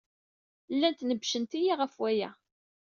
Llant nebbcent-iyi ɣef waya.